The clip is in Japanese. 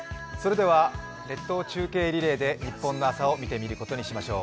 列島中継リレーで日本の朝を見てみることにしましょう。